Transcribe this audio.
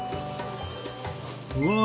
うわ！